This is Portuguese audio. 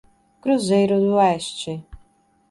Cruzeiro do Oeste